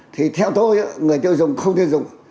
thì theo tôi người tiêu dùng không tiêu dùng